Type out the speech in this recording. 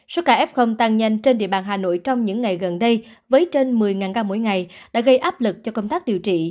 số ca f tăng nhanh trên địa bàn hà nội trong những ngày gần đây với trên một mươi ca mỗi ngày đã gây áp lực cho công tác điều trị